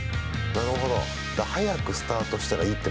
なるほど。